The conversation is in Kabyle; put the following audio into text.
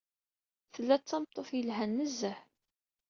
Tella d tameṭṭut yelhan nezzeh.